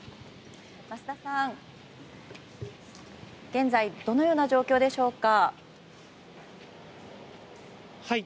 現在どのような状況でしょうか。